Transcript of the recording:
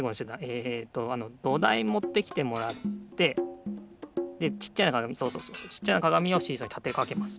えっとあのどだいもってきてもらってでちっちゃなかがみそうそうそうちっちゃなかがみをシーソーにたてかけます。